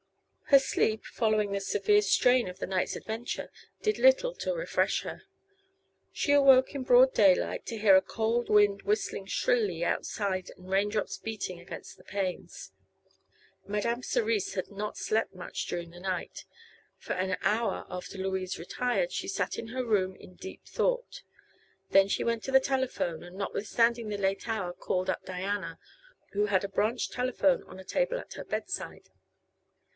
Her sleep, following the severe strain of the night's adventure, did little to refresh her. She awoke in broad daylight to hear a cold wind whistling shrilly outside and raindrops beating against the panes. Madame Cerise had not slept much during the night. For an hour after Louise retired she sat in her room in deep thought. Then she went to the telephone and notwithstanding the late hour called up Diana, who had a branch telephone on a table at her bedside.